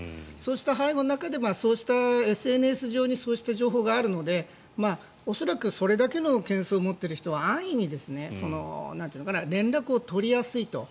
背後にＳＮＳ上にそうした情報があるので恐らくそれだけの件数を持っている人は安易に連絡を取りやすいと。